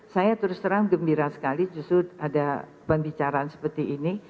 saya terus terang gembira sekali justru ada pembicaraan seperti ini